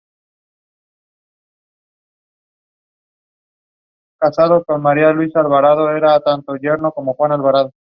El amigo de Suzu desde la infancia.